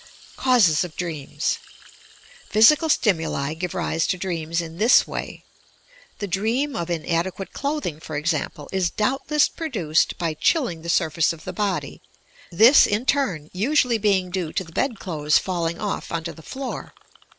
CAUSES OP DREAMS Physical stimuli give rise to dreams in this way : The dream of inadequate clothing for example, is doubtless produced by chilling the surface of the body, this, in turn, usually being due to the bed clothes falling off onto the floor.